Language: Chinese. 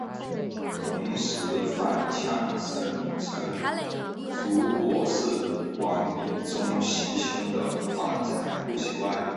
同时反呛声称如果是王炳忠袭胸的话才不奇怪。